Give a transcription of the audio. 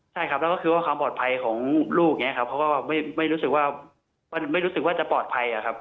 ใช่ครับแล้วก็คือว่าความปลอดภัยของลูกอย่างนี้ครับเขาก็ไม่รู้สึกว่าไม่รู้สึกว่าจะปลอดภัยอะครับ